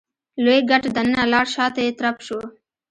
لوی ګټ دننه لاړ شاته يې ترپ شو.